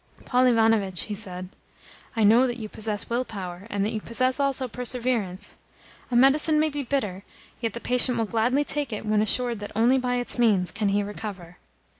"Paul Ivanovitch," he said, "I know that you possess will power, and that you possess also perseverance. A medicine may be bitter, yet the patient will gladly take it when assured that only by its means can he recover.